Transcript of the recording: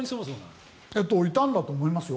いたんだと思います。